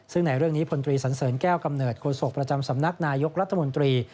ซึ่งในเรื่องนี้พลตรีสันเสริญแก้วกำเนิดโศกประจำสำนักนายกรัฐมนตรี